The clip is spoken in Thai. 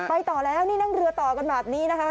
ต่อแล้วนี่นั่งเรือต่อกันแบบนี้นะคะ